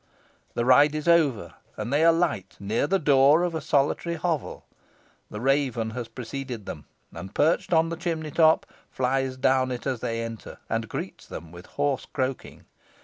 The ride is over, and they alight near the door of a solitary hovel. The raven has preceded them, and, perched on the chimney top, flies down it as they enter, and greets them with hoarse croaking.